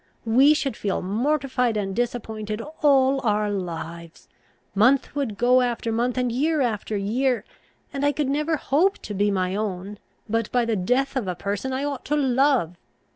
We should feel mortified and disappointed all our lives. Month would go after month, and year after year, and I could never hope to be my own, but by the death of a person I ought to love.